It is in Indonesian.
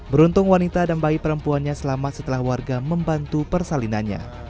beruntung wanita dan bayi perempuannya selamat setelah warga membantu persalinannya